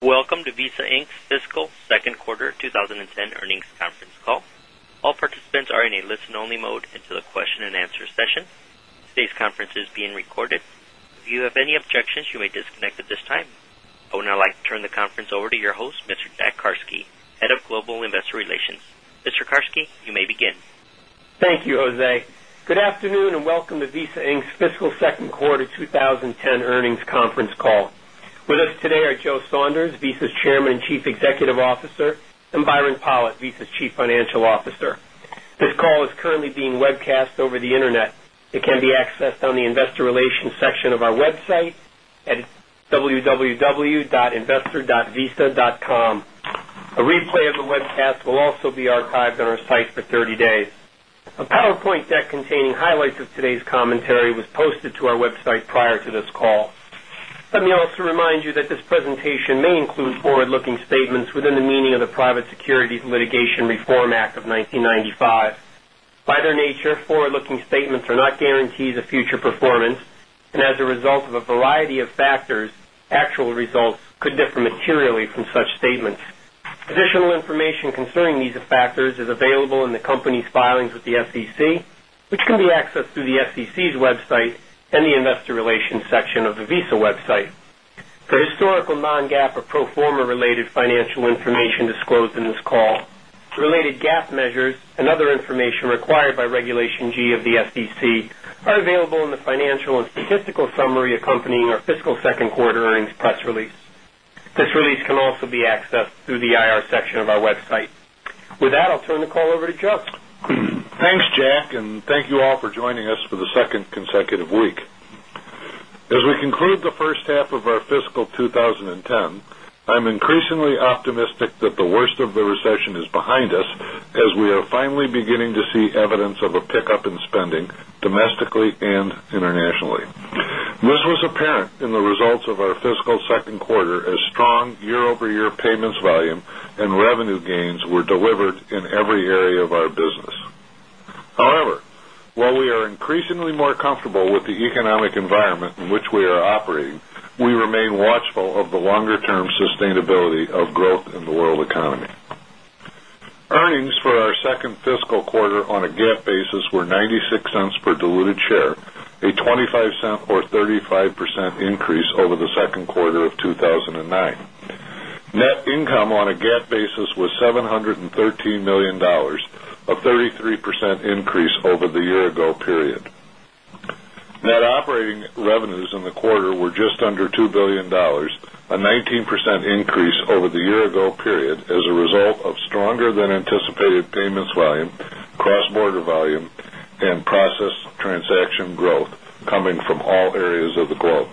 Welcome to Visa Inc. Fiscal Second Quarter 20 10 Earnings Conference Call. All participants are in a listen only mode until the question and answer session. Today's conference is being recorded. If you have any objections, you may disconnect at this time. I would now like to turn the conference over to your host, Mr. Jack Karski, Head of Global Investor Relations. Mr. Karski, you may begin. Thank you, Jose. Good afternoon and welcome to Visa Inc. Fiscal Q2 2010 earnings conference call. With us today are Joe Saunders, Visa's Chairman and Chief Executive Officer and Byron Pollitt, Visa's Chief Financial Officer. This call is currently being webcast over the Internet. It can be accessed on the Investor Relations section of our website at www.investor.visa.com. A replay of the webcast will also be archived on our site for 30 days. A PowerPoint deck containing highlights of today's commentary was posted to our website for the Securities Litigation Reform Act of 1995. By their nature, forward looking statements are not guarantees of future performance. Is available in the company's filings with the SEC, which can be accessed through the SEC's website and the Investor Relations section of the Visa website. For historical non GAAP or pro form a related financial information disclosed in this call, related GAAP measures and other information required by Regulation G of the SEC are available in the financial and statistical summary accompanying our fiscal 2nd quarter earnings press release. This release can also be accessed through the IR section of our website. With that, I'll turn the call over to Chuck. Thanks, Jack, and thank you all for joining us for the 2nd Earnings for our 2nd fiscal quarter on a GAAP basis were $0.96 per diluted share, a 0 point 2 $5 or 35 Increase over the year ago period. Net operating revenues in the quarter were just under $2,000,000,000 a 19% increase over The year ago period is a result of stronger than anticipated payments volume, cross border volume and process transaction growth coming from all areas of the globe.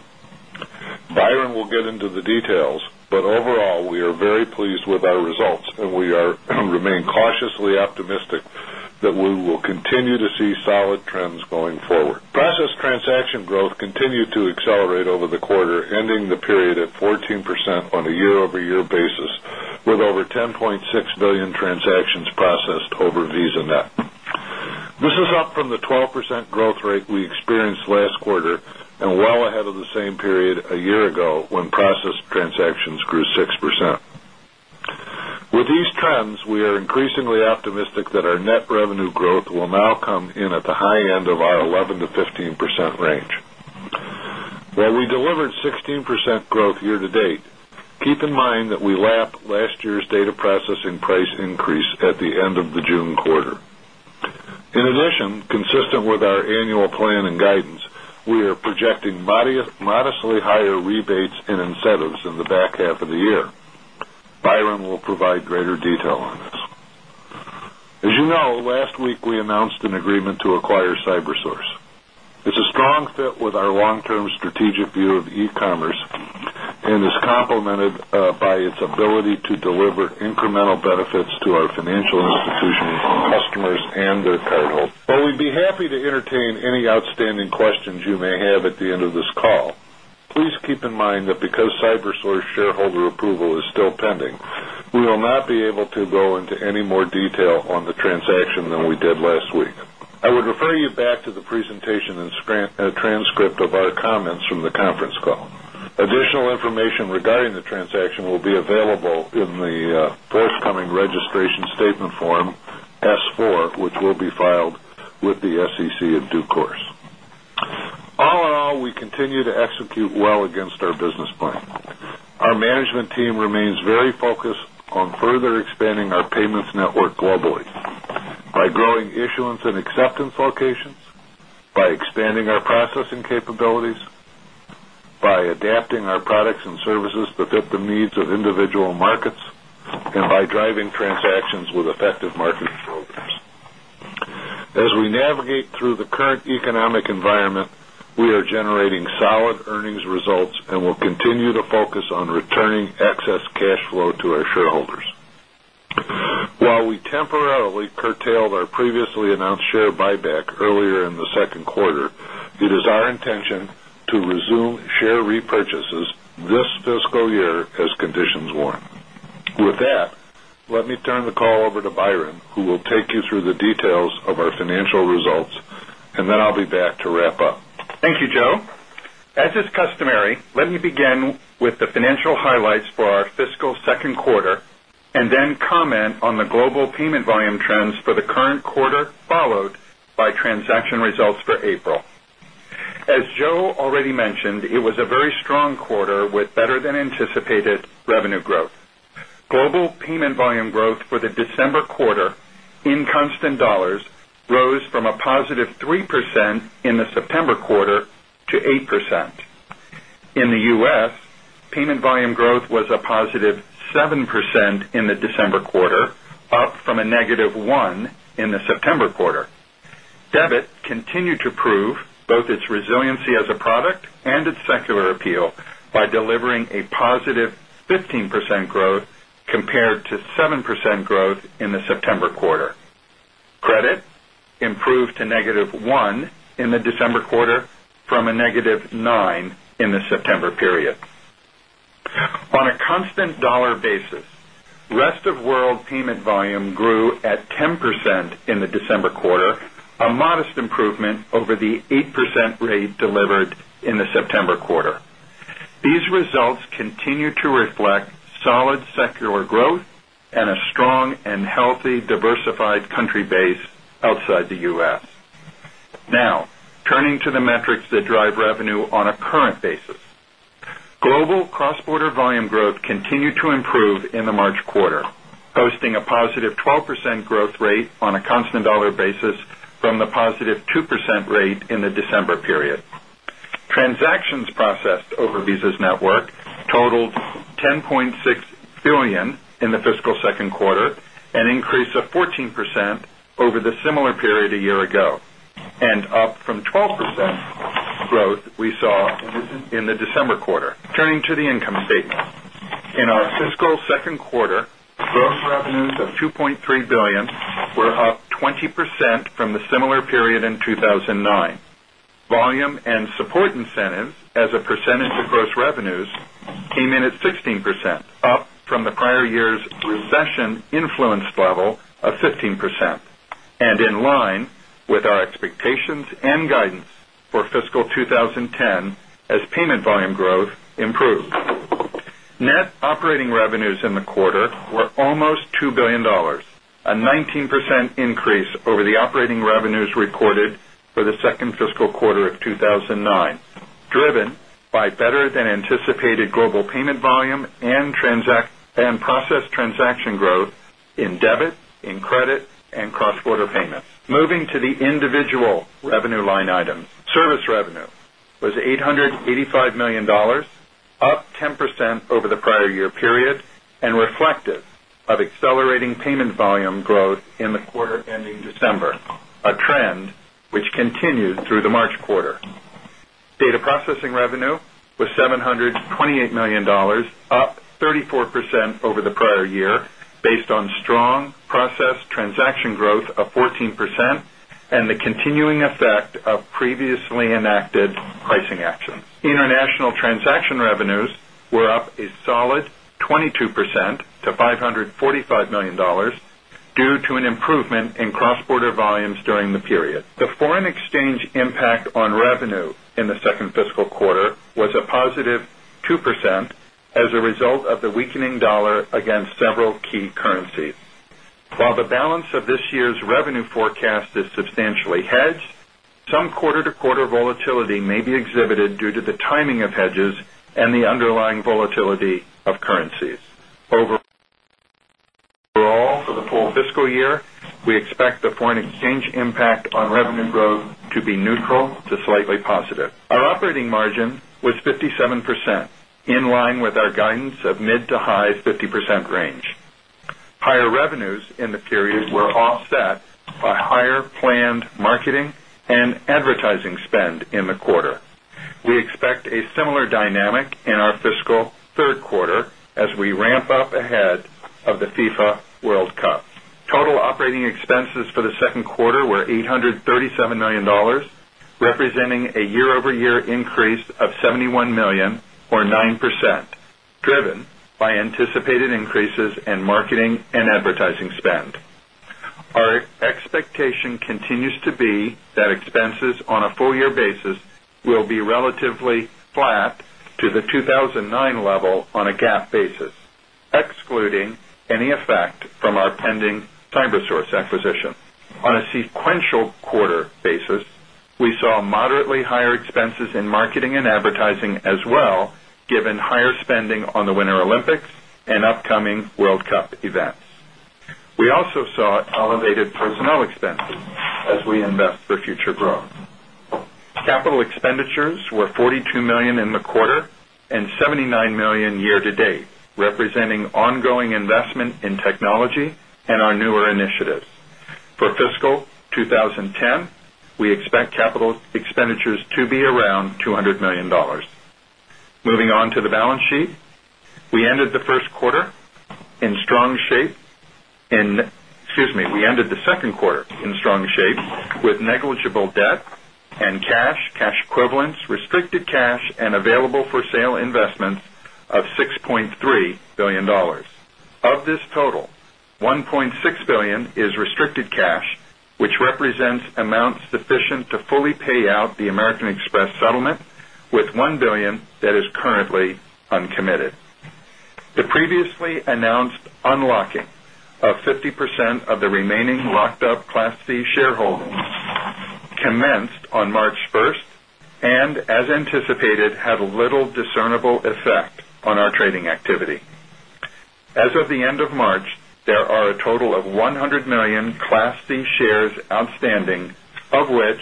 Byron will get into the details, but overall, we are very pleased with our results and we remain cautiously that we will continue to see solid trends going forward. Process transaction growth continued to accelerate over the quarter, This is up from the 12% growth rate we experienced last quarter and well ahead of the same period a year ago when Process transactions grew 6%. With these trends, we are increasingly optimistic that our net revenue growth will now come in at the high We are projecting modestly higher rebates and incentives in the back half of the year. Byron will provide greater detail on this. As you know, last week we announced an agreement to acquire CyberSource. It's a strong fit with our long term Strategic view of e commerce and is complemented by its ability to deliver incremental benefits to our financial institutions, customers and Available in the forthcoming registration statement form S-four, which will be filed with the SEC in due course. All in all, we continue to execute well against our business plan. Our management team remains very focused On further expanding our payments network globally by growing issuance and acceptance locations, by expanding our processing capabilities, By adapting our products and services that fit the needs of individual markets and by driving transactions with effective market programs. As we navigate through the current economic environment, we are generating solid earnings results and we'll continue to focus on returning Excess cash flow to our shareholders. While we temporarily curtailed our previously announced share buyback earlier in The Q2, it is our intention to resume share repurchases this fiscal year as conditions warrant. With that, Let me turn the call over to Byron, who will take you through the details of our financial results and then I'll be back to wrap up. Thank you, Joe. As is customary, let me begin with the financial highlights for our fiscal 2nd quarter and then comment on the global payment volume trends for the current quarter followed by transaction results for April. As Joe already mentioned, it was a very strong quarter with better than anticipated revenue growth. Global payment volume growth for the December quarter in constant dollars rose from a positive 3% in the September quarter to 8%. In the U. S, payment volume growth was a positive 7% in the December quarter, Up from a negative one in the September quarter. Debit continued to prove both its resiliency as a product ended secular appeal by delivering a positive 15% growth compared to 7% growth in the September quarter. Credit improved to negative 1 in the December quarter from a negative 9 in the September period. On a constant dollar basis, rest of world payment volume grew at 10% in the December quarter, Turning to the metrics that drive revenue on a current basis. Global cross border volume growth continued to improve in the Quarter, posting a positive 12% growth rate on a constant dollar basis from the positive 2% rate in the December period. Transactions processed over Visa's network totaled $10,600,000,000 in the fiscal second quarter, an increase of 14% over the similar period a year ago and up from 12% growth we saw in the December quarter. Turning to the income statement. In our fiscal Q2, gross revenues of $2,300,000,000 were up 20% from the similar period in 2,009. Volume and support incentives as a percentage of gross revenues came in at 16%, up from the prior year's recession an influence level of 15% and in line with our expectations and guidance for fiscal 2010 as payment volume growth improved. Net operating revenues in the quarter were almost $2,000,000,000 A 19% increase over the operating revenues recorded for the 2nd fiscal quarter of 2,009, driven by better than anticipated global payment volume and process transaction growth in debit, in credit and cross border payments. Moving to the individual revenue line items. Service revenue was $885,000,000 up 10% over the prior year period and reflective of accelerating payment volume growth in the quarter ending December, a trend which continued through the March quarter. Data processing revenue was $728,000,000 up 34% over International transaction revenues were up a solid 22% to $545,000,000 due to an improvement in cross border volumes during the period. The foreign exchange impact on revenue in the 2nd fiscal quarter was a positive 2% as a result of the weakening dollar against several key currencies. While the Balance of this year's revenue forecast is substantially hedged. Some quarter to quarter volatility may be exhibited due to the timing of hedges and the underlying volatility of currencies. Overall, for the full fiscal year, we expect the foreign exchange impact on revenue to be neutral to slightly positive. Our operating margin was 57%, in line with our guidance of mid to high 50% range. Higher revenues in the period were offset by higher planned marketing and advertising spend in the quarter. We expect a similar dynamic in our fiscal Q3 as we ramp up ahead of the FIFA World Cup. Total operating expenses for The Q2 were $837,000,000 representing a year over year increase of $71,000,000 or 9%, driven by anticipated increases in marketing and advertising spend. Our expectation continues to be That expenses on a full year basis will be relatively flat to the 2,009 level on a GAAP basis, Excluding any effect from our pending Cybersource acquisition, on a sequential quarter basis, We saw moderately higher expenses in marketing and advertising as well given higher spending on the Winter Olympics and upcoming World Cup events. We also saw elevated personnel expenses as we invest for future growth. Capital expenditures were $42,000,000 in the quarter And $79,000,000 year to date, representing ongoing investment in technology and our newer initiatives. For fiscal 2010, We expect capital expenditures to be around $200,000,000 Moving on to the balance sheet. We ended the 1st quarter In strong shape excuse me, we ended the 2nd quarter in strong shape with negligible debt And cash, cash equivalents, restricted cash and available for sale investments of $6,300,000,000 Of this total, $1,600,000,000 is restricted cash, which represents amounts sufficient to fully pay out the American Express settlement with $1,000,000,000 that is currently uncommitted. The previously announced unlocking of 50% of the remaining locked up Class The shareholders commenced on March 1 and as anticipated had a little discernible effect on our trading activity. As of the end of March, there are a total of 100,000,000 Class C shares outstanding, of which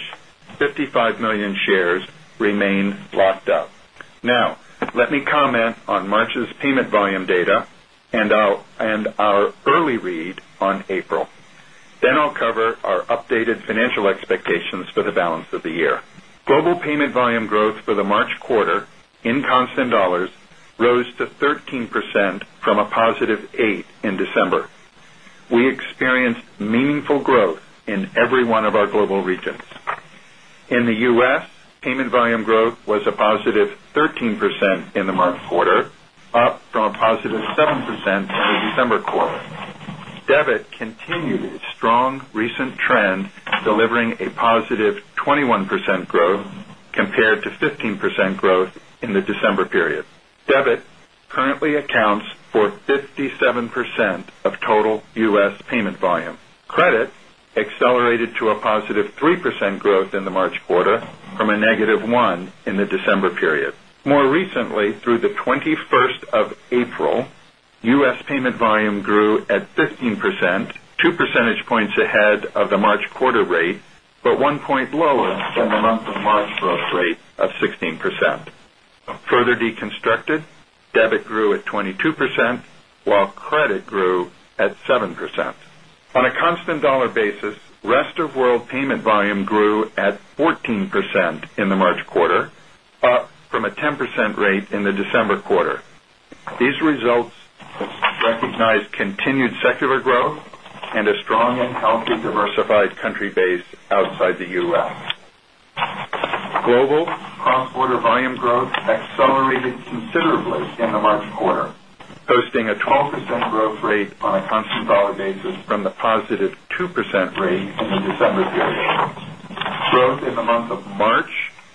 55,000,000 shares remain locked up. Now, let me comment on March's payment volume data and our early read on April. Then I'll cover our updated financial expectations for the balance of the year. Global payment volume growth for the March quarter in constant dollars rose to 13% from a positive 8% in December. We experienced meaningful growth in every one of our global regions. In the U. S, payment volume Growth was a positive 13% in the March quarter, up from a positive 7% in the December quarter. Debit continued Long recent trend delivering a positive 21% growth compared to 15% growth in the December period. Debit currently accounts for 57% of total U. S. Payment volume. Credit accelerated to a positive 3% growth in the March quarter from a negative 1% in the December period. More recently through the 20 1st April, U. S. Payment volume grew at 15%, 2 percentage points ahead of the March quarter rate, but one point lower than the month of March growth rate of 16%. Further deconstructed, debit grew at 22%, while credit grew at 7%. On a constant dollar basis, rest of world payment volume grew at 14% in the March quarter, Up from a 10% rate in the December quarter. These results recognize continued secular growth and a Strong and healthy diversified country base outside the U. S. Global cross border volume growth moderated considerably in the March quarter, posting a 12% growth rate on a constant dollar basis from the positive 2% rate in the December period. Growth in the month of March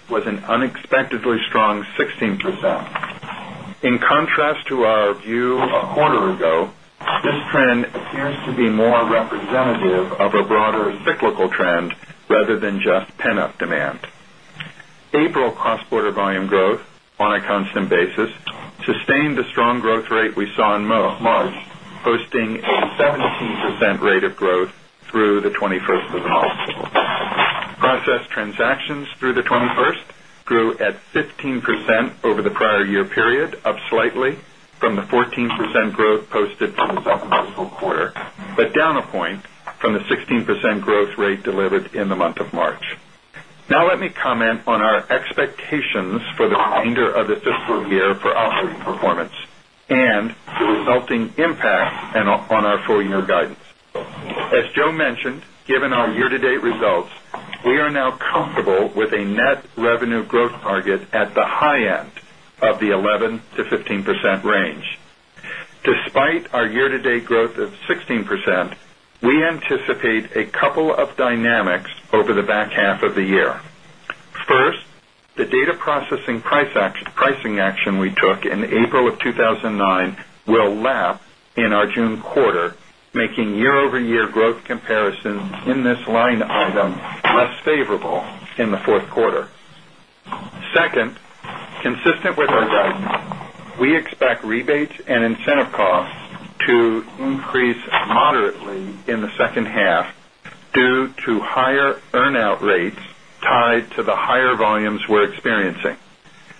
was an unexpectedly strong 16%. The strong growth rate we saw in March, posting a 17% rate of growth through the 21st of the call. Process transactions through the 21st grew at 15% over the prior year period, up slightly from the 14% growth posted for the second quarter, but down a point from the 16% growth rate delivered in the month of March. Now let me comment on our expectations for remainder of the fiscal year for operating performance and the resulting impact on our full year guidance. As Joe mentioned, given our year to date results, we are now comfortable with a net revenue growth target at the high end of the 11% to 15% range. Despite our year to date growth of 16%, we Anticipate a couple of dynamics over the back half of the year. First, the data processing pricing action we took in April of will lap in our June quarter, making year over year growth comparisons in this line item Less favorable in the 4th quarter. 2nd, consistent with our guidance, we expect rebates and incentive It's tied to the higher volumes we're experiencing.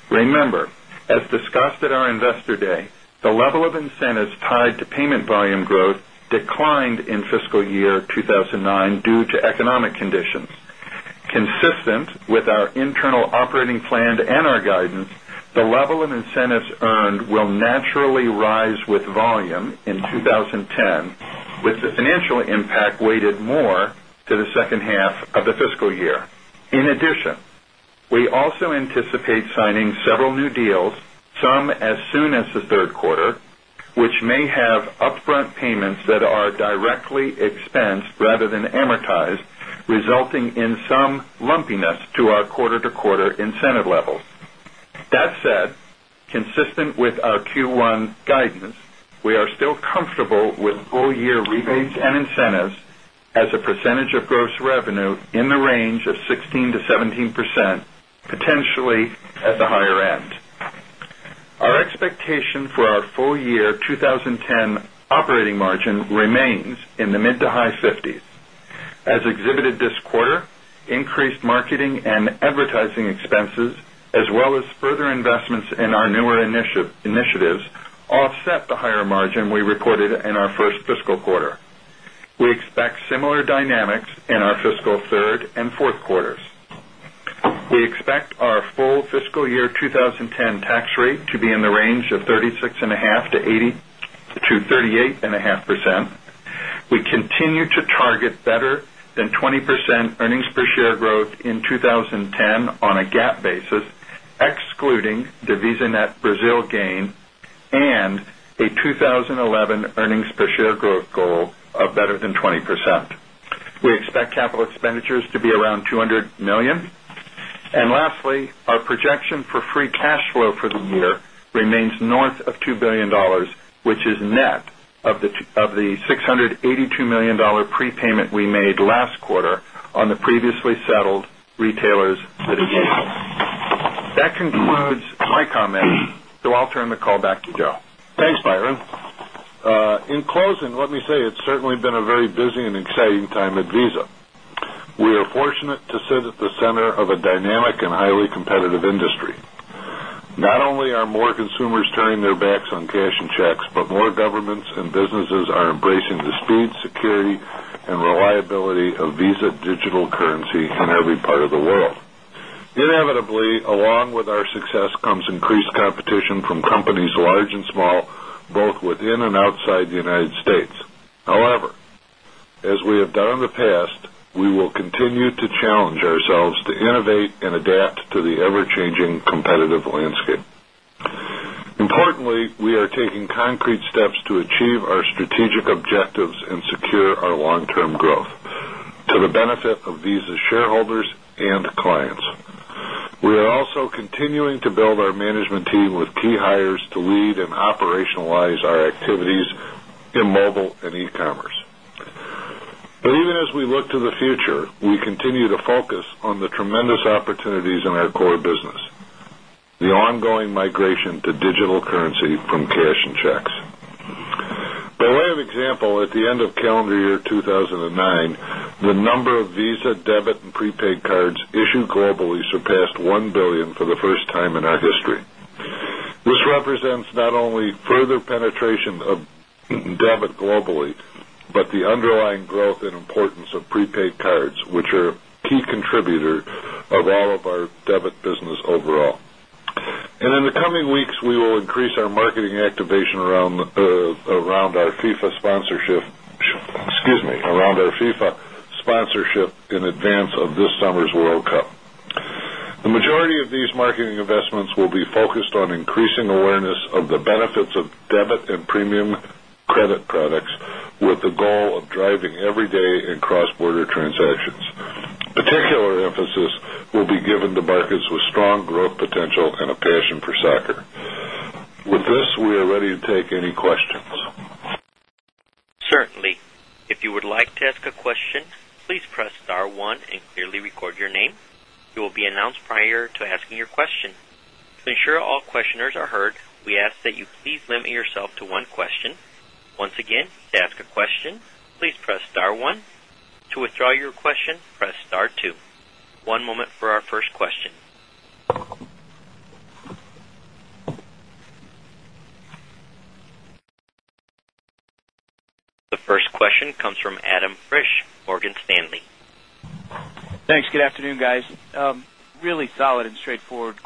Remember, as discussed at our Investor Day, the level of incentives tied to payment volume growth declined in fiscal year 2009 due to economic conditions. Consistent with our internal operating plan and our guidance, the The level of incentives earned will naturally rise with volume in 2010 with the financial impact weighted more to the second half of the fiscal year. In addition, we also anticipate signing several new deals, some as soon as the 3rd quarter, which may have upfront payments that are directly expensed rather than amortized, resulting in Some lumpiness to our quarter to quarter incentive levels. That said, consistent with our Q1 guidance, We are still comfortable with full year rebates and incentives as a percentage of gross revenue in the range of 16% to 17%, potentially at the higher end. Our expectation for our full year Operating margin remains in the mid to high 50s. As exhibited this quarter, increased marketing and advertising expenses as well as further investments in our newer initiatives offset the higher margin we reported in our 1st fiscal quarter. We expect similar dynamics in our fiscal 3rd and 4th quarters. We expect our full fiscal year target better than 20% earnings per share growth in 20.10 on a GAAP basis, excluding the VisaNet Brazil gain and a 2011 earnings per share growth goal of better than 20%. We expect capital expenditures to be around 200,000,000 And lastly, our projection for free cash flow for the year remains north of $2,000,000,000 which is net Of the $682,000,000 prepayment we made last quarter on the previously settled retailers. That concludes my comments. So I'll turn the call back to Joe. Thanks, Byron. In closing, let me say it's certainly A very busy and exciting time at Visa. We are fortunate to sit at the center of a dynamic and highly competitive industry. Not only are more consumers turning their backs on cash and checks, but more governments and businesses are embracing the speed, security And reliability of Visa Digital Currency in every part of the world. Inevitably, along with our success increased competition from companies large and small, both within and outside the United States. However, As we have done in the past, we will continue to challenge ourselves to innovate and adapt to the ever changing competitive landscape. Importantly, we are taking concrete steps to achieve our strategic objectives and secure our long term growth To the benefit of Visa's shareholders and clients, we are also continuing to build our management team with key hires to Cash and checks. By way of example, at the end of calendar year 2,009, the number of Visa debit Prepaid cards issued globally surpassed $1,000,000,000 for the first time in our history. This represents not only further penetration of Debit globally, but the underlying growth and importance of prepaid cards, which are a key contributor of all of our debit business overall. And in the coming weeks, we will increase our marketing activation around our FIFA sponsorship on increasing awareness of the benefits of debit and premium credit products with the goal of driving everyday and cross border Particular emphasis will be given to markets with strong growth potential and a passion for soccer. With this, we are ready to It will be announced prior to asking your question. The first question comes from Adam Friesch, Morgan Stanley. Thanks. Good afternoon, guys. Really solid and straightforward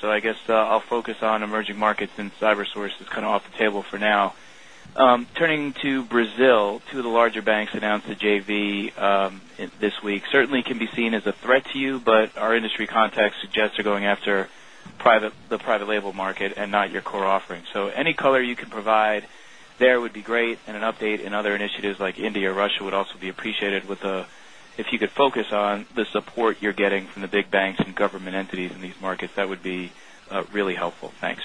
So I guess I'll focus on emerging markets and cyber sources kind of off the table for now. Turning to Brazil, 2 of the larger banks announced the JV This week certainly can be seen as a threat to you, but our industry context suggests you're going after the private label market and not your Core offerings. So any color you can provide there would be great and an update in other initiatives like India or Russia would also be appreciated with the if you could focus on the What you're getting from the big banks and government entities in these markets that would be really helpful? Thanks.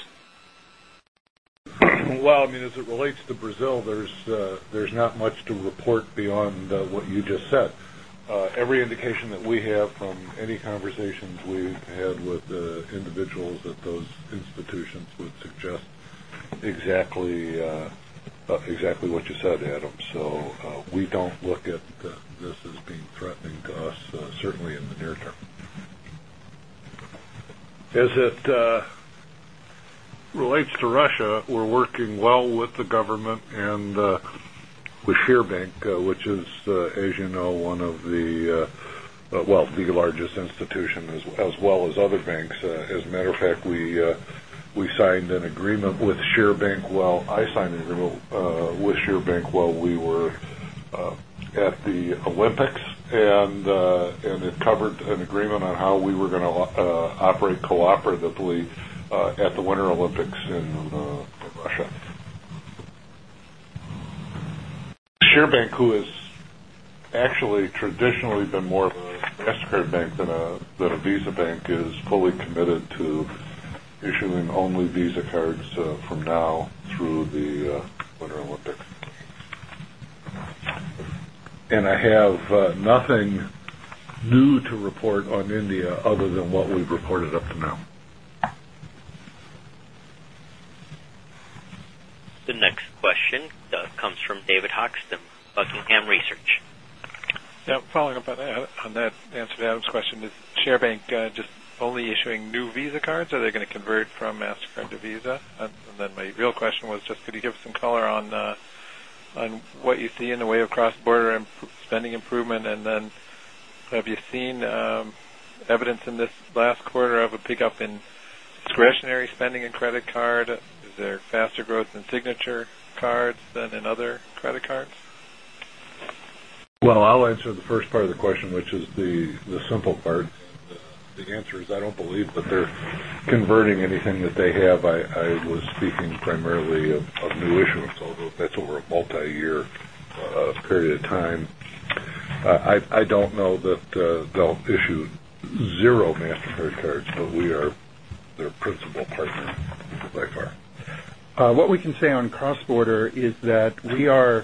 Well, I mean as it relates to There's not much to report beyond what you just said. Every indication that we have from any conversations we've had With the individuals at those institutions would suggest exactly what you said, Adam. So We don't look at this as being threatening to us certainly in the near term. As it Relates to Russia, we're working well with the government and with Share Bank, which is, as you know, one of the Well, the largest institution as well as other banks. As a matter of fact, we signed an agreement The SherrBank, well, I signed an agreement with SherrBank. Well, we were at the Olympics and it covered an agreement on how We were going to operate cooperatively at the Winter Olympics in Russia. ShareBank, who has actually traditionally been more of a Mastercard Bank than a Visa Bank is fully Nothing new to report on India other than what we've reported up to now. The next question comes from David Hoxton, Buckingham Research. Following up on that answer to Adam's question, is ShareBank just only issuing new Visa cards? Are they going to convert from Mastercard to Visa? And then my real question was Could you give us some color on what you see in the way of cross border spending improvement? And then have you seen Evidence in this last quarter of a pickup in discretionary spending in credit card, is there faster growth in Signature cards and other credit cards? Well, I'll answer the first part of the question, which is the simple The answer is I don't believe, but they're converting anything that they have. I was speaking primarily of new issuance, although that's Over a multiyear period of time, I don't know that they'll issue 0 We are their principal partner by far. What we can say on cross border is That we are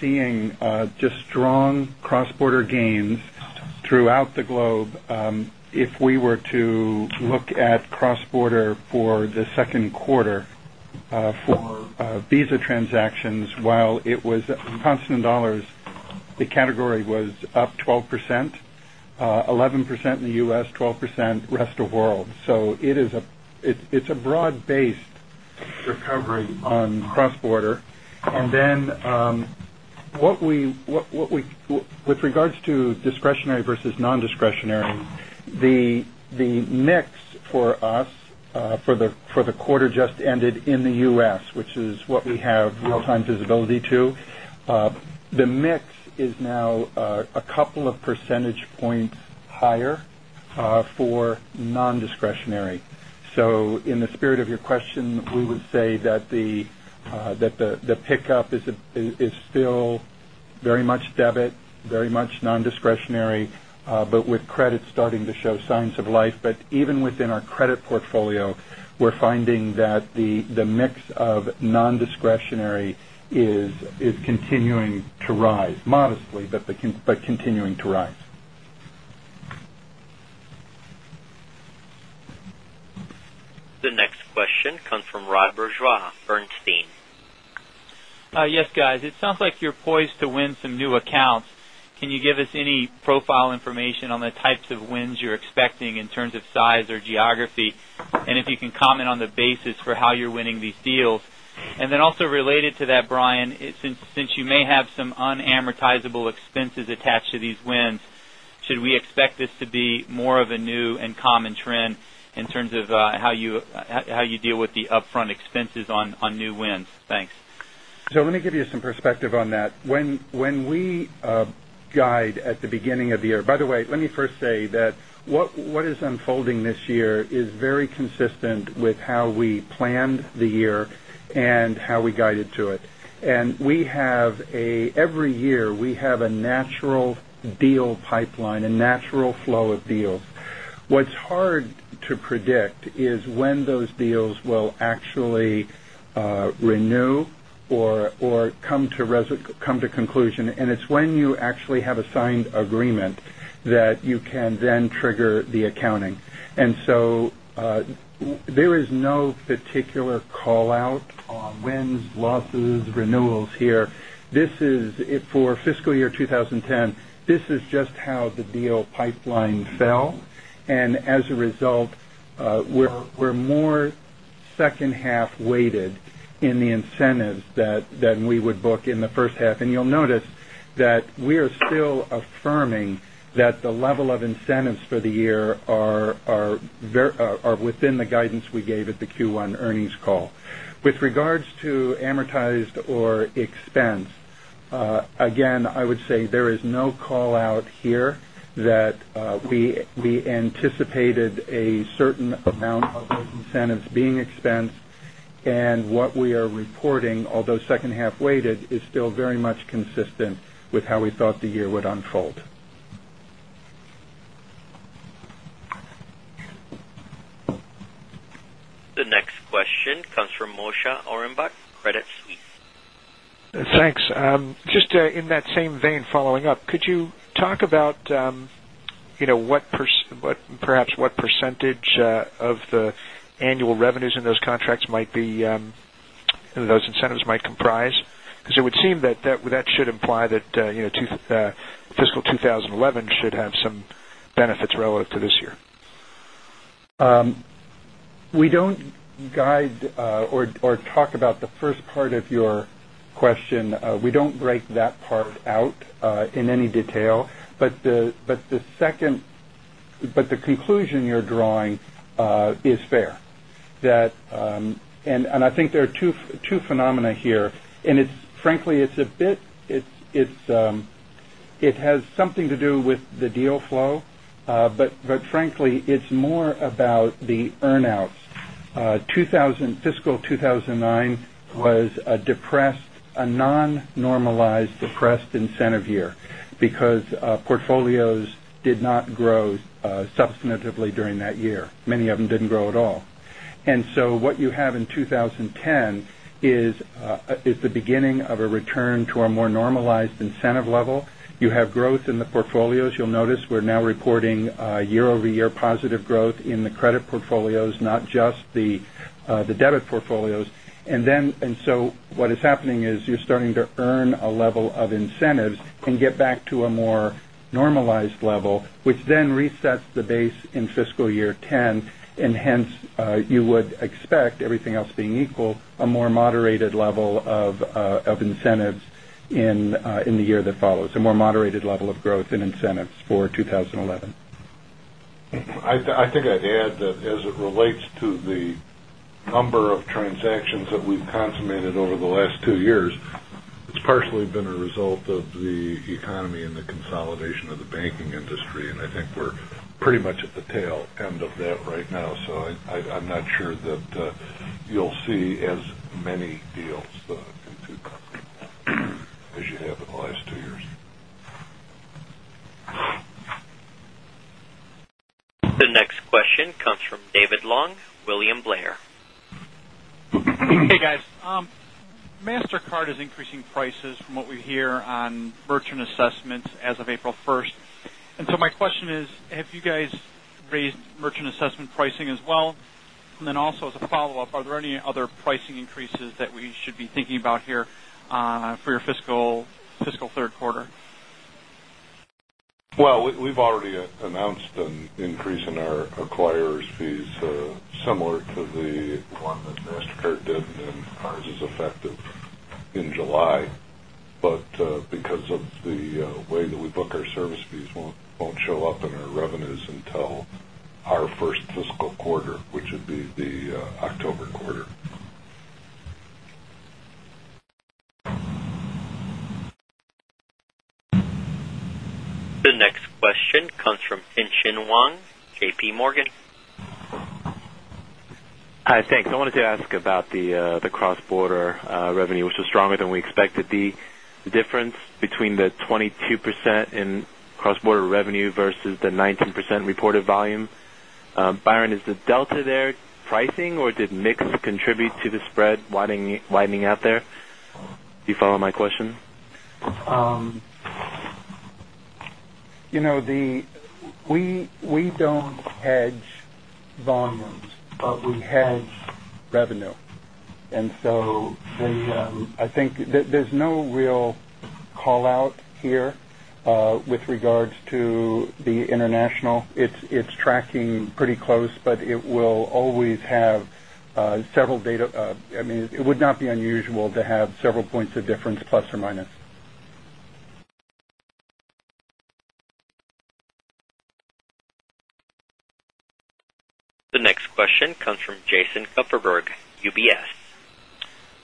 seeing just strong cross border gains throughout the globe. If we were to To look at cross border for the Q2, for Visa transactions, while it was constant dollars, the category was up 12%, Category was up 12%, 11% in the U. S, 12% rest of world. So it is a it's a broad based Recovery on cross border. And then, what we with regards to discretionary versus non discretionary. The mix for us for the quarter just ended in the U. S, which is what we have real time So in the spirit of your question, we would say that the pickup is still So very much debit, very much nondiscretionary, but with credit starting to show signs of life. But even within our credit portfolio, we're finding that the mix of non discretionary is continuing to rise modestly, But continuing to rise. The Can you give us any profile information on the types of wins you're expecting in terms of size or geography? And if you can comment on the basis for how you're winning these deals? And then also related to that, Brian, since you may have some unamortizable expenses attached to these wins, Should we expect this to be more of a new and common trend in terms of how you deal with the upfront expenses on new wins? Thanks. So let me give you some perspective on that. When we guide at the beginning of the year by the way, let me first say that what is unfolding this year It's very consistent with how we planned the year and how we guided to it. And we have That is when those deals will actually renew or come to conclusion. And it's when you actually have agreement that you can then trigger the accounting. And so there is no particular call out on wins, Losses, renewals here. This is for fiscal year 2010, this is just how the deal pipeline fell. And as a result, We're more second half weighted in the incentives that we would book in the first half. And you'll notice that we are still affirming that the level of incentives for the year are within the guidance we gave at the Q1 earnings call. With regards to amortized or expense, Again, I would say there is no call out here that we anticipated a certain amount The next question comes from Moshe Orenbuch, Credit Suisse. Thanks. Just in that same vein following up, could you talk about what Perhaps what percentage of the annual revenues in those contracts might be those incentives might comprise? Because it would seem that that should imply that fiscal 2011 should have some benefits relative to this year? We don't guide or talk about the first part of your question. We don't break that part out In any detail, but the second but the conclusion you're drawing is fair. That And I think there are 2 phenomena here. And it's frankly, it's a bit it has Something to do with the deal flow, but frankly, it's more about the earn outs. 2,000 fiscal 2,000 29 was a depressed, a non normalized depressed incentive year because portfolios did not grow Substantively during that year. Many of them didn't grow at all. And so what you have in 20 Growth in the credit portfolios, not just the debit portfolios. And then and so what is happening is you're starting to earn a level Of incentives can get back to a more normalized level, which then resets the base in fiscal year 'ten and hence, you would expect everything Anything else being equal, a more moderated level of incentives in the year that follows, a more moderated level of growth in incentives for I think I'd add that as it relates to the number of transactions that we've consummated over the Last 2 years, it's partially been a result of the economy and the consolidation of the banking industry. And I think we're pretty much at the tail end That right now. So I'm not sure that you'll see as many deals in 2Q as you have in the last The next question comes from David Long, William Blair. Hey, guys. Mastercard is increasing prices from what we hear on merchant assessments as of April 1. And so my question is, have you guys raised merchant assessment pricing as well? And then also as a follow-up, are there any other pricing increases that we should be thinking about here For your fiscal Q3? Well, we've already announced an increase in our acquirers' fees It's similar to the one that Mastercard did and ours is effective in July. But because The way that we book our service fees won't show up in our revenues until our 1st fiscal quarter, The next question comes from Tien Tsin Huang, JPMorgan. Hi, thanks. I wanted to ask about the cross border revenue, which was stronger than we expected. The difference between the 22% in Cross border revenue versus the 19% reported volume. Byron, is the delta there pricing or did mix contribute to the spread widening You follow my question. We don't hedge Volumes, but we had revenue. And so I think there's no We'll call out here with regards to the international. It's tracking pretty close, but it will always The next question comes from Jason Kupferberg, UBS.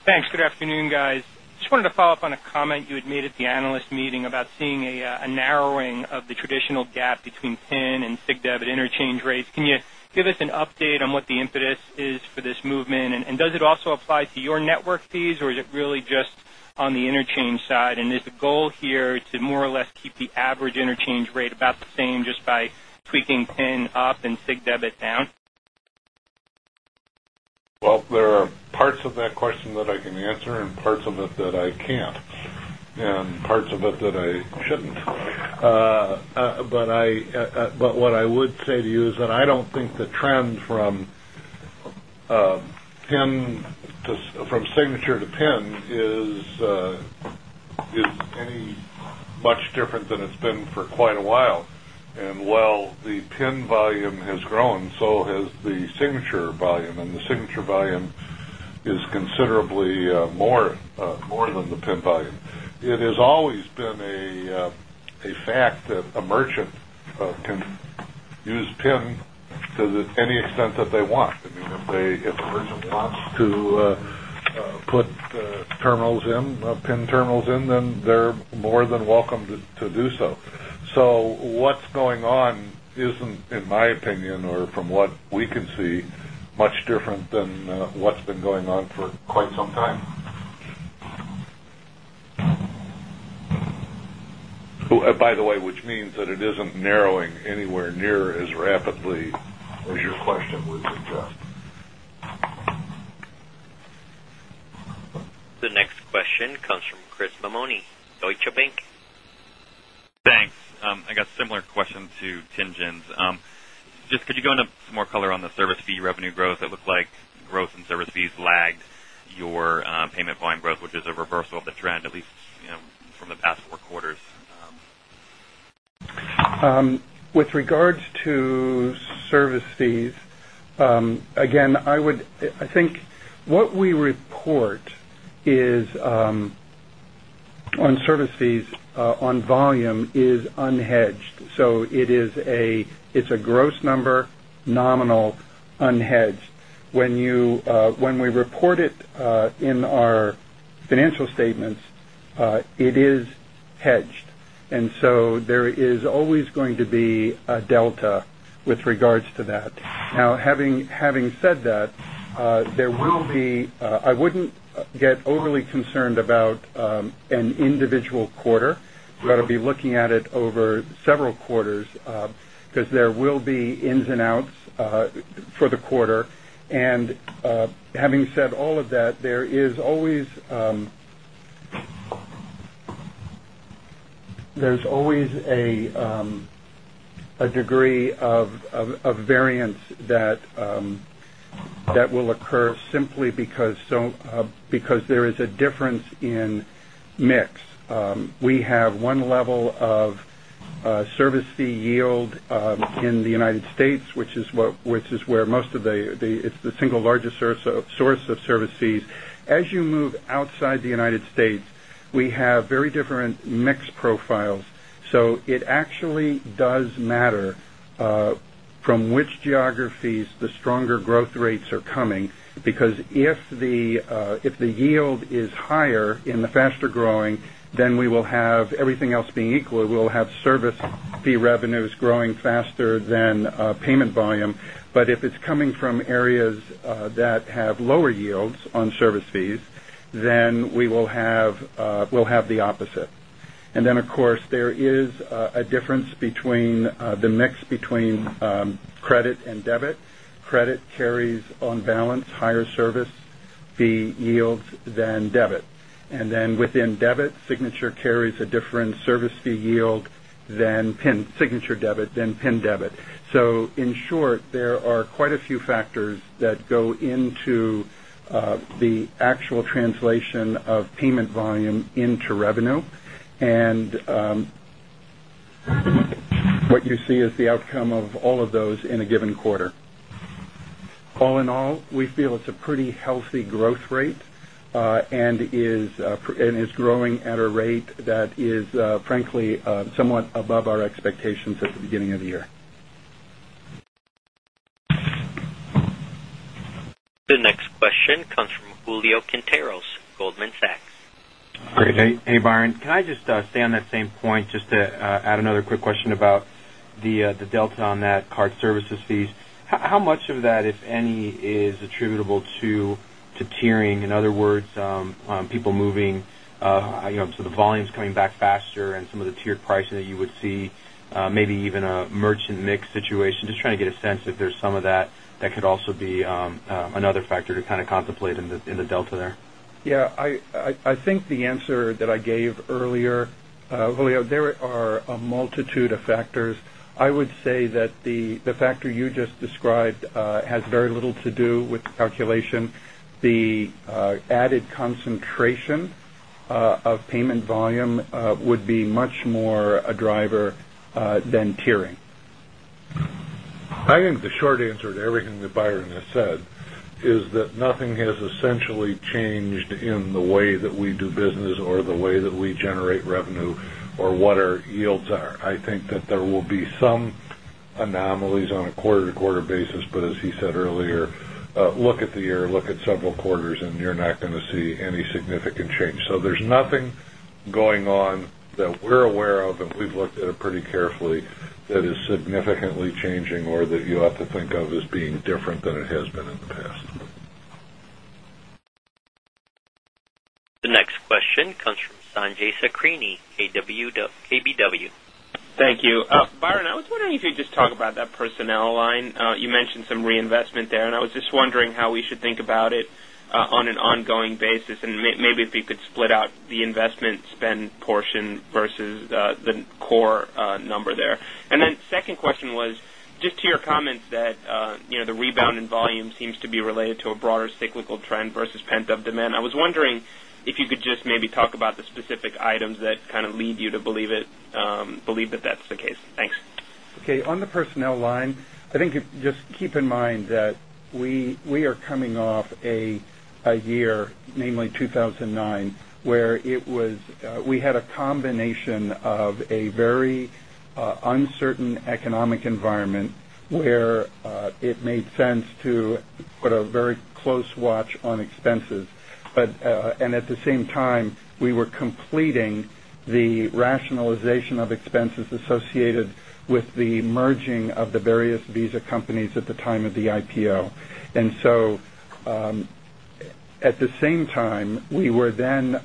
Thanks. Good afternoon, guys. Just wanted to follow-up on a comment you had made at the analyst meeting about seeing a narrowing of the traditional gap Between Penn and sigdebit interchange rates, can you give us an update on what the impetus is for this movement? And does it also apply to your network fees? Or is it really just On the interchange side and is the goal here to more or less keep the average interchange rate about the same just by tweaking pin up and sig debit down? Well, there are parts of that question that I can answer and parts of it that I can't Parts of it that I shouldn't. But what I would say to you is that I don't think the trend from And the Signature volume is considerably more than the PIN volume. It has always been a Act that a merchant can use PIN to any extent that they want. I mean, if they if a merchant wants to Put terminals in, pin terminals in, then they're more than welcome to do so. So what's going on Isn't in my opinion or from what we can see much different than what's been going on for quite some time. By the way, which means that it isn't narrowing anywhere near as rapidly The next question comes from Chris Mamoney, Deutsche Bank. Thanks. I guess similar question to Tien Tsin's. Just could you go into some more color on the service fee revenue growth? It looked like Growth in service fees lagged your payment volume growth, which is a reversal of the trend, at least from the past 4 quarters. With regards to service fees, again, I would I think what we report is On service fees, on volume is unhedged. So it is a it's a gross number, Nominal unhedged. When you when we report it in our financial statements, It is hedged. And so there is always going to be a delta with regards to that. Now having said that, There will be I wouldn't get overly concerned about an individual quarter. We're going to be looking at it over several quarters because there will be ins and outs for the quarter. And Having said all of that, there is always a Degree of variance that will occur simply because Because there is a difference in mix. We have one level of service fee yield in the United States, Which is where most of the it's the single largest source of service fees. As you move outside the United States, we have very different Rates are coming because if the yield is higher in the faster growing, then we will have everything else being equal, we'll have service Fee revenue is growing faster than payment volume, but if it's coming from areas that have Lower yields on service fees, then we will have the opposite. And then, of course, there is Then debit. And then within debit, Signature carries a different service fee yield than PIN Signature debit than PIN debit. So in short, there are quite a few factors that go into the actual translation of Payment volume into revenue and what you see as the outcome of All of those in a given quarter. All in all, we feel it's a pretty healthy growth rate and It's growing at a rate that is, frankly, somewhat above our expectations at the beginning of the year. The next question comes from Julio Quinteros, Goldman Sachs. Hey, Byron. Can I just stay on that same point just to add another quick question about the delta on that card services fees? How much of that if any is attributable to tiering? In other words, people moving, so the volumes coming back Faster and some of the tiered pricing that you would see, maybe even a merchant mix situation. Just trying to get a sense if there's some of that that could also be another factor to Contemplating the delta there. Yes. I think the answer that I gave earlier, Julio, there are a multitude of factors. I would say That the factor you just described has very little to do with the calculation. The added concentration Payment volume would be much more a driver than tiering. I think the short answer to everything that Byron has said is that nothing has essentially changed in the way that we do business or the way that We generate revenue or what our yields are. I think that there will be some anomalies on a quarter to quarter basis. But as said earlier, look at the year, look at several quarters and you're not going to see any significant change. So there's nothing going That we're aware of and we've looked at it pretty carefully that is significantly changing or that you have to think of as being different than it has been in the past. The next question comes from Sanjay Sakhrani, KBW. Thank you. Byron, I was wondering if you could just talk about that personnel line. You mentioned some reinvestment there. And I was just wondering how we should think about it on an ongoing And maybe if you could split out the investment spend portion versus the core number there. And then Second question was just to your comments that the rebound in volume seems to be related to a broader cyclical trend versus I was wondering if you could just maybe talk about the specific items that kind of lead you to believe it, believe that that's the case. Thanks. Okay. On the personnel I think just keep in mind that we are coming off a year, namely 2,000 and Where it was we had a combination of a very uncertain economic environment where It made sense to put a very close watch on expenses. But and at the same time, we were completing The rationalization of expenses associated with the merging of the various Visa companies at the time of the IPO. And so At the same time, we were then,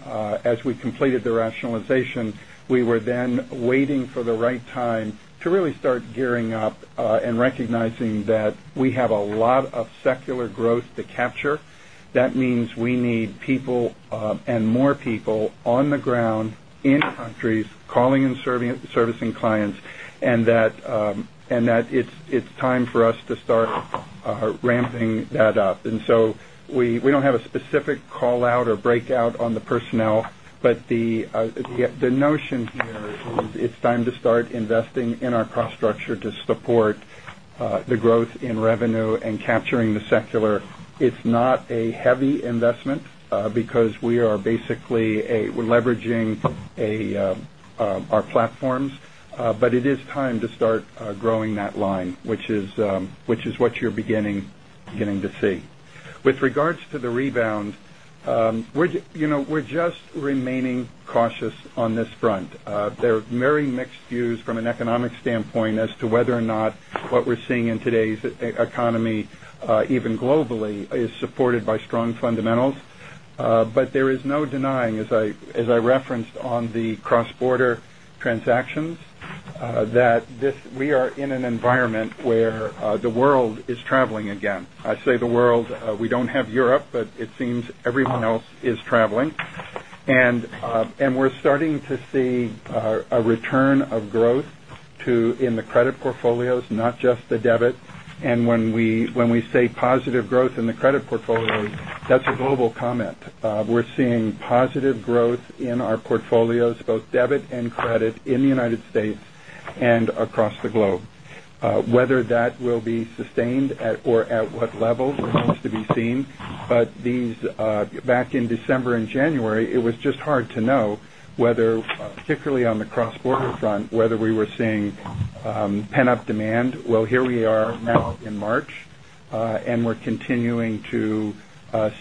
as we completed the rationalization, we were then waiting for the right time to We start gearing up and recognizing that we have a lot of secular growth to capture. That means we need people And more people on the ground in countries calling and servicing clients and that It's time for us to start ramping that up. And so we don't have a specific call out or breakout on the personnel, but The notion here is it's time to start investing in our cost structure to support the growth in revenue and capturing the secular. It's not a heavy investment, because we are basically a we're leveraging our But it is time to start growing that line, which is what you're beginning to see. With regards to the rebound, We're just remaining cautious on this front. There are very mixed views from an economic standpoint as to whether or not what As I referenced on the cross border transactions, that this we are in an environment where I say the world, we don't have Europe, but it seems everyone else is traveling. And we're starting to see a return of growth To in the credit portfolios, not just the debit. And when we say positive growth in the credit portfolio, that's a global comment. We're Seeing positive growth in our portfolios, both debit and credit in the United States and across the Whether that will be sustained or at what level remains to be seen, but these back in December In January, it was just hard to know whether particularly on the cross border front, whether we were seeing Pan up demand. Well, here we are now in March, and we're continuing to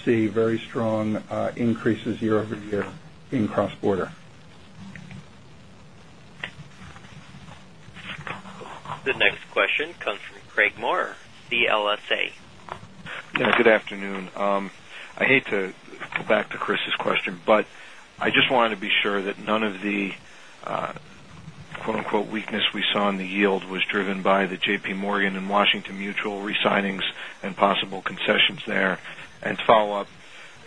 see very strong The next question comes from Craig Maurer, CLSA. Good afternoon. I hate to go back to Chris' question, but I just wanted to be sure that none of the weakness we saw in the yield was driven by the JPMorgan and Washington Mutual resignings And possible concessions there. And follow-up,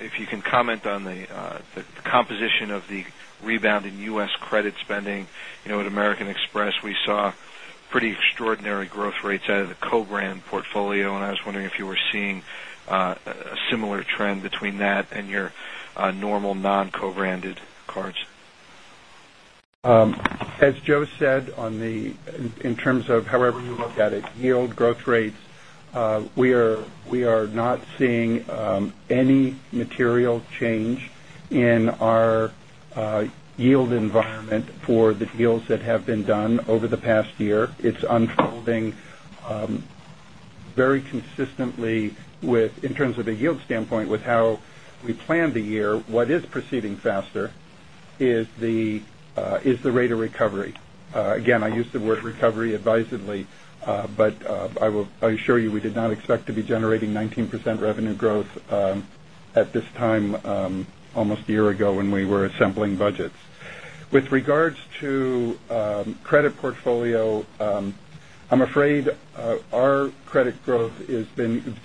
if you can comment on the composition of the rebound in U. S. Credit spending. At American Express, we saw pretty extraordinary growth rates out of the co brand portfolio. And I was wondering if you were seeing Similar trend between that and your normal non co branded cards? As Joe said on the in terms of however you look at it, yield growth rates, we are not seeing Any material change in our yield environment for the deals that been done over the past year. It's unfolding very consistently with in terms of a yield standpoint with We planned the year. What is proceeding faster is the rate of recovery. Again, I used the word recovery advisedly, but I assure you we did not expect to be generating 19% revenue growth at this time Almost a year ago when we were assembling budgets. With regards to credit portfolio, I'm afraid our credit It's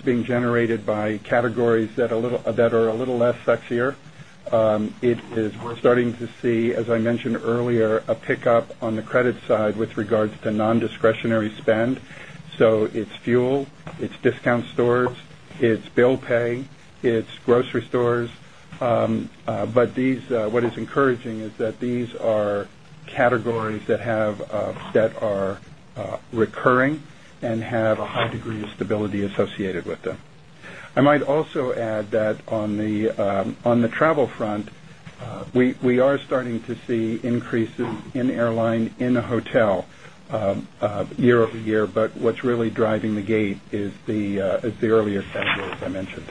being generated by categories that are a little less sexier. It is we're starting to see, as It's Bill Pay. It's grocery stores. But these what is encouraging is that these are categories that have That are recurring and have a high degree of stability associated with them. I might also add that on the travel front, We are starting to see increases in airline in a hotel year over But what's really driving the gate is the earlier schedule, as I mentioned.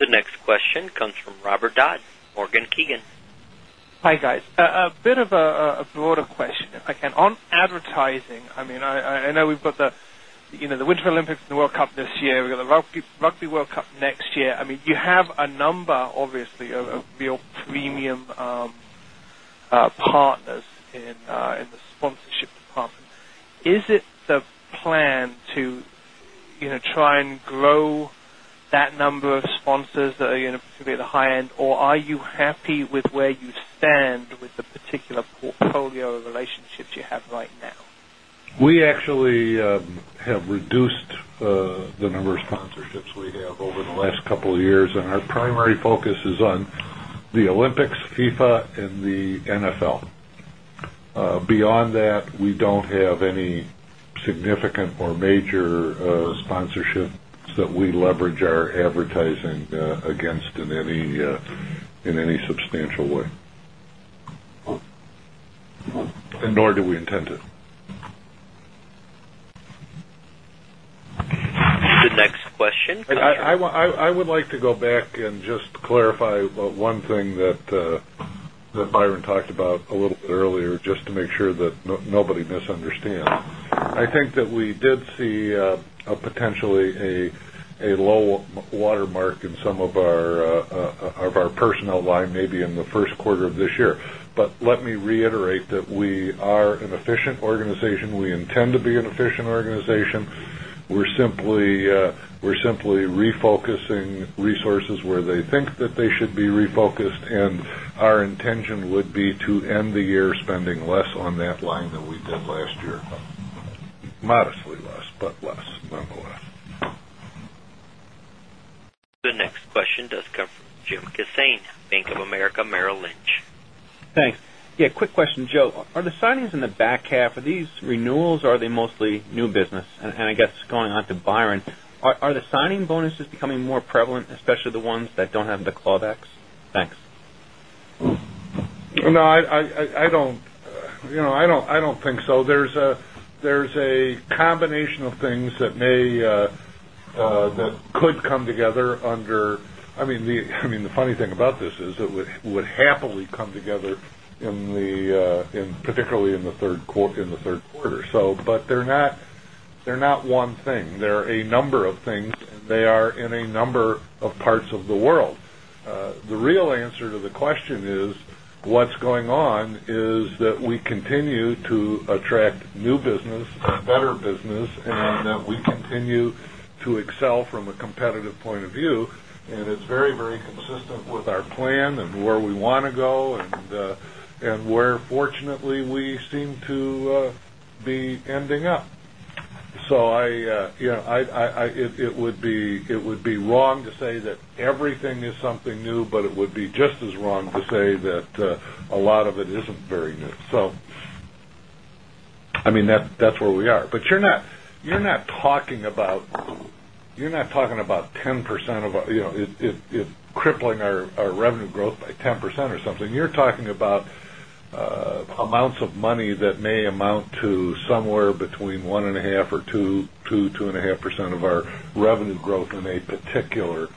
The next question comes from Robert Dodd, Morgan Kegan. Hi, guys. A bit of a broader question, if I can. On Advertising, I mean, I know we've got the Winter Olympics and the World Cup this year, we've got the Rugby World Cup next year. I mean, you have a number obviously of Your premium partners in the sponsorship department, is it The plan to try and grow that number of sponsors that are going to be at the high end or are you happy with where you And with the particular portfolio of relationships you have right now? We actually have reduced the number of sponsorships we Over the last couple of years and our primary focus is on the Olympics, FIFA and the NFL. Beyond that, We don't have any significant or major sponsorships that we leverage I think against in any substantial way, and nor do we intend The next question comes from I would like to go back and just clarify one thing That Byron talked about a little bit earlier just to make sure that nobody misunderstands. I think that we did see Potentially a low watermark in some of our personnel line maybe in the Q1 of this year. But let me They think that they should be refocused and our intention would be to end the year spending less on that line than we did last year, Modestly less, but less nonetheless. The next question does come from Jim at Bank of America Merrill Lynch. Thanks. Yes, quick question, Joe. Are the signings in the back half of these renewals or are they New business. And I guess going on to Byron, are the signing bonuses becoming more prevalent, especially the ones that don't have the clawbacks? Thanks. No, I don't think so. There's a combination of things that may that could Come together under I mean the funny thing about this is that it would happily come together in the particularly in the Q3. So But they're not one thing. There are a number of things. They are in a number of parts of the world. The real answer to the question is what's going on is that we continue to attract new business, Better business and that we continue to excel from a competitive point of view and it's very, very consistent with Plan and where we want to go and where fortunately we seem to be ending up. So I it would be wrong to say that everything is something new, but it would be just as wrong to say that A lot of it isn't very good. So I mean that's where we are. But you're not it's crippling our revenue growth by 10% or something. You're talking about amounts of money that may amount To somewhere between 1.5% or 2%, 2.5% of our revenue growth in a particular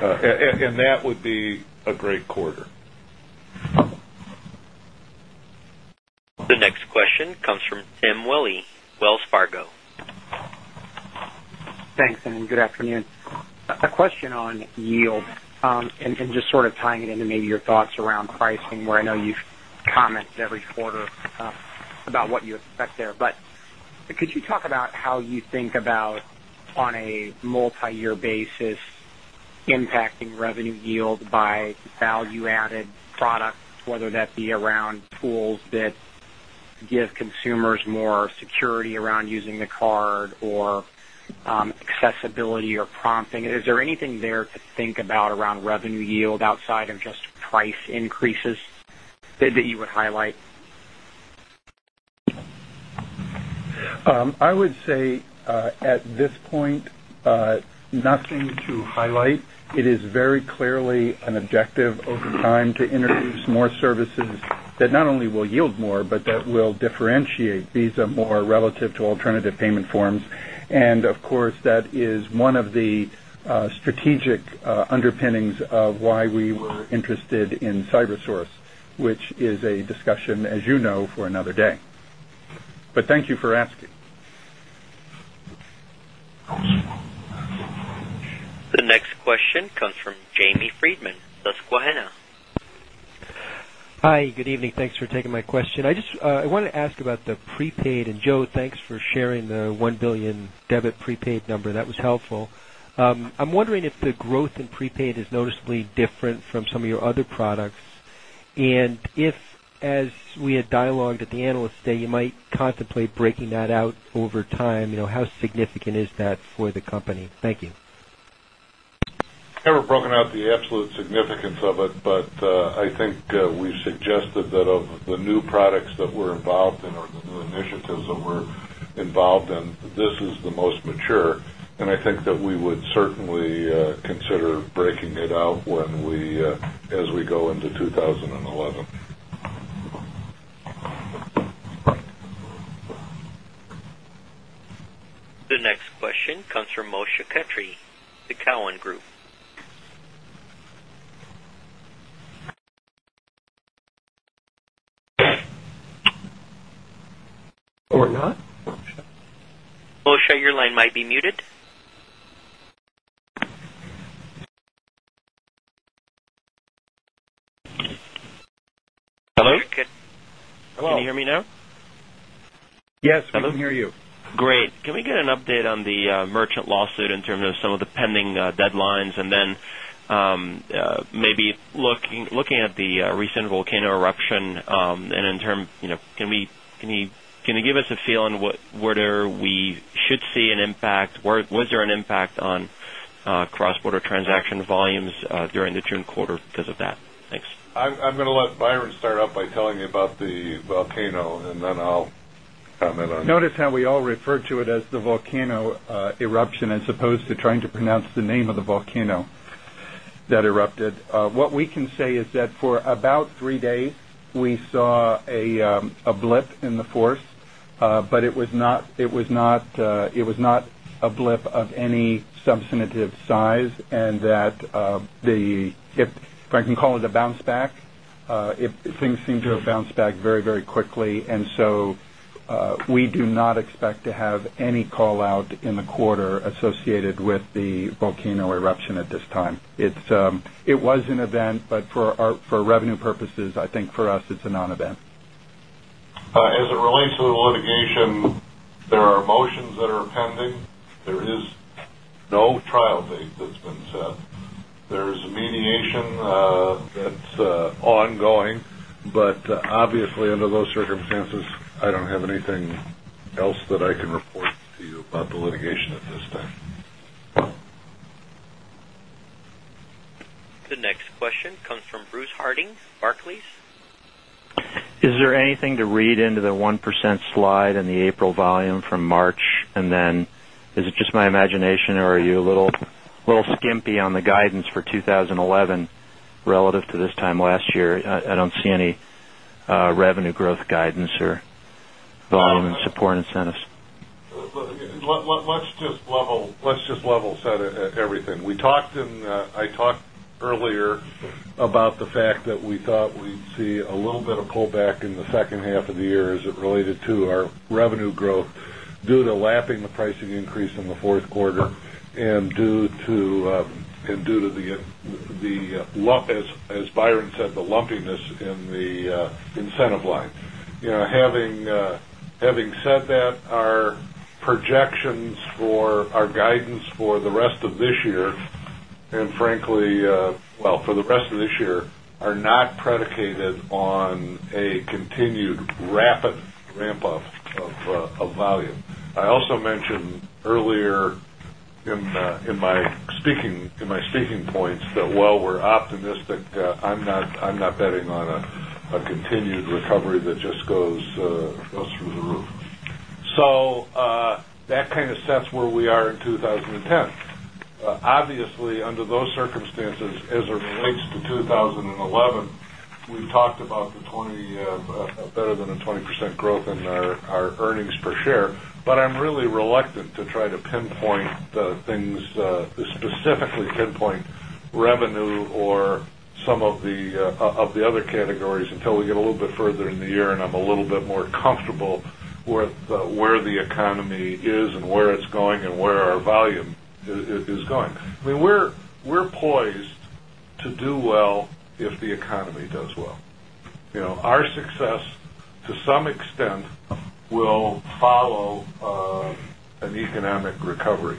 And that would be a great quarter. The next question comes from Tim Willi, Wells Fargo. Thanks and good afternoon. A question On yield, and just sort of tying it into maybe your thoughts around pricing where I know you've commented every quarter About what you expect there. But could you talk about how you think about on a multiyear basis impacting revenue yield by Value added products, whether that be around tools that give consumers more security around using the card or Accessibility or prompting, is there anything there to think about around revenue yield outside of just price increases That you would highlight. I would say at this point nothing to It is very clearly an objective over time to introduce more services that not only will yield more, but that will differentiate Visa more Alternative Payment Forms. And of course, that is one of the strategic underpinnings of why we were interested in The next question comes from Jamie Friedman, Susquehanna. Hi, good evening. Thanks for taking my question. I just I wanted to ask about the Prepaid. And Joe, thanks for sharing the $1,000,000,000 debit prepaid number. That was helpful. I'm wondering if the growth Within prepaid is noticeably different from some of your other products. And if as we had dialogued at the Analyst Day, you might contemplate breaking that out over time, how significant is that for the company? Thank you. Never broken The absolute significance of it, but I think we suggested that of the new products that we're involved in or the new initiatives that we're involved This is the most mature and I think that we would certainly consider breaking it out when we as we go into 2011. The next question comes from Moshe Katri, to Cowen Group. Hello? Can you hear me now? Yes, we can hear you. Great. Can we get an update on the merchant lawsuit in terms of some of the pending deadlines? And then maybe looking at The recent volcano eruption and in term can you give us a feel on whether we should see an impact? Was there an impact on I'm going to let Byron start off by telling you about The volcano and then I'll comment on it. Notice how we all refer to it as the volcano eruption as opposed to Trying to pronounce the name of the volcano that erupted. What we can say is that for about 3 days, we saw A blip in the force, but it was not a blip of any substantive size and At the if I can call it a bounce back, things seem to have bounced back very, very quickly. And so We do not expect to have any call out in the quarter associated with the volcano eruption at this time. It's it was an event, but for revenue purposes, I think for us it's a non event. As it relates to the litigation, there are motions that are pending. There is no trial date that's been set. There is a mediation that's Ongoing. But obviously, under those circumstances, I don't have anything else that I can report to you The next question comes from Bruce Harding, Barclays. Is there anything to read into the 1% slide in the April volume from March? And then is it Just my imagination or are you a little skimpy on the guidance for 2011 relative to this time last year? I don't see any revenue growth Guidance or volume and support incentives? Let's just level set everything. We talked About the fact that we thought we'd see a little bit of pullback in the second half of the year as it related to our revenue growth Due to lapping the pricing increase in the 4th quarter and due to the Yes. As Byron said, the lumpiness in the incentive line. Having said that, Our projections for our guidance for the rest of this year and frankly, well for the rest of this year are not Predicated on a continued rapid ramp up of volume. I also mentioned earlier In my speaking points that while we're optimistic, I'm not betting on a continued recovery that This goes through the roof. So that kind of sets where we are in 2010. Obviously, under those circumstances, as it relates to As it relates to 2011, we've talked about the 20 better than a 20% growth in Our earnings per share, but I'm really reluctant to try to pinpoint the things specifically pinpoint revenue or Some of the other categories until we get a little bit further in the year and I'm a little bit more comfortable with where the economy is and where it's going and Where our volume is going. I mean, we're poised to do well if the economy does well. Our success to some extent, we'll follow an economic recovery.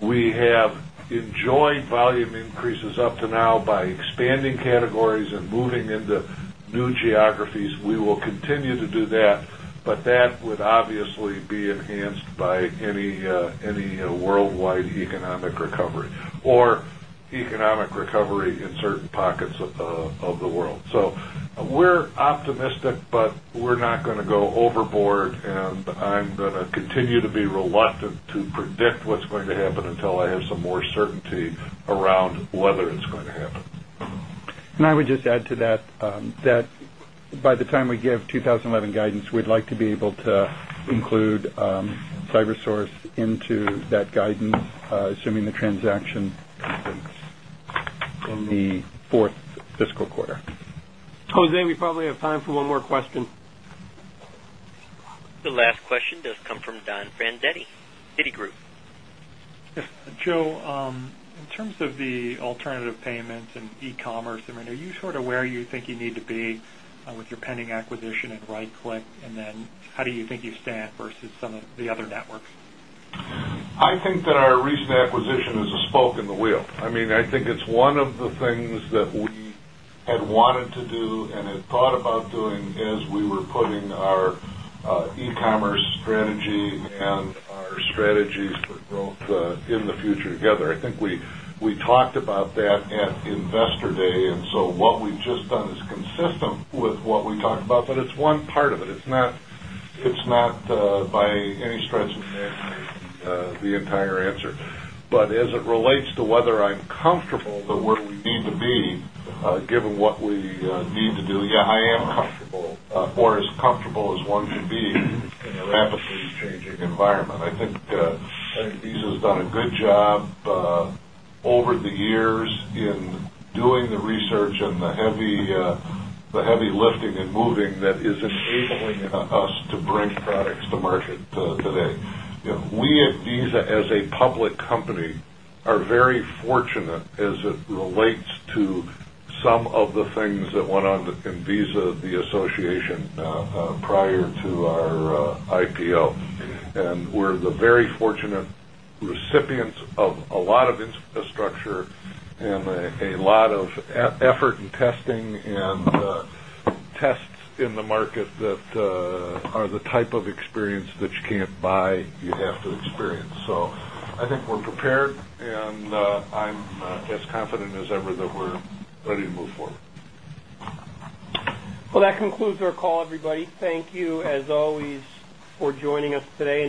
We have Enjoy volume increases up to now by expanding categories and moving into new geographies. We will continue to do that, but that would obviously be enhanced by any worldwide economic recovery or recovery in certain pockets of the world. So we're optimistic, but we're not going to go overboard and I'm going to continue to be reluctant to predict what's going to happen until I have some more certainty around And I would just add to that, that by the time we give 2011 guidance, we'd like to be able Include, CyberSource into that guidance, assuming the transaction In the 4th fiscal quarter. Jose, we probably have time for one more question. The last question does come from Don Eddie, Citigroup. Joe, in terms of the alternative payments in e commerce, I mean, are you sort of where you think you need to be With your pending acquisition at RightClick and then how do you think you stand versus some of the other networks? I think that our recent acquisition is I mean, I think it's one of the things that we had wanted to do and had thought about doing as we were putting our E commerce strategy and our strategies for growth in the future together. I think we talked about that At Investor Day. And so what we've just done is consistent with what we talked about, but it's one part of it. It's not by any stretch The entire answer. But as it relates to whether I'm comfortable that where we need to be given what we need to Yes, I am comfortable or as comfortable as one should be in a rapidly changing environment. I think Visa has done a good job Over the years in doing the research and the heavy lifting and moving that is As it relates to some of the things that went on in Visa, the Association Prior to our IPO. And we're the very fortunate recipients of a lot of structure and a lot of effort and testing and tests in the market That are the type of experience that you can't buy, you have to experience. So I think we're prepared and I'm As confident as ever that we're ready to move forward. Well, that concludes our call everybody. Thank you as always for joining us today.